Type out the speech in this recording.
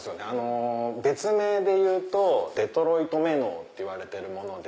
別名デトロイトメノウっていわれてるもので。